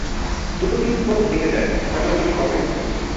দুটো দিন বরং দেখে যাই, ব্যথাটা যদি কমে।